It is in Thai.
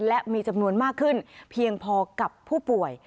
และมีจำนวนมากขึ้นเพียงพอกับผู้ป่วย